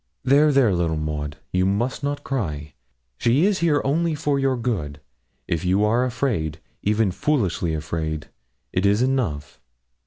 'There, there, little Maud, you must not cry. She is here only for your good. If you are afraid even foolishly afraid it is enough.